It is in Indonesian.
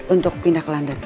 untuk pindah ke london